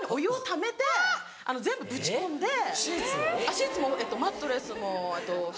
・シーツもマットレスも掛け布団。